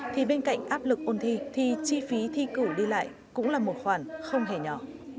thì bên cạnh áp lực ôn thi thì chi phí thi cử đi lại cũng là một khoản không hề nhỏ